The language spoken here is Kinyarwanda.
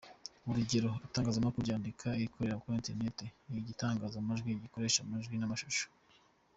Urugero: Igitangazamakuru cyandika, Igikorera kuri interineti, Igitangaza amajwi n’igikoresha amajwi n’amashusho.